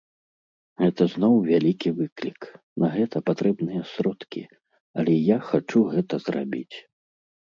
Гэта зноў вялікі выклік, на гэта патрэбныя сродкі, але я хачу гэта зрабіць.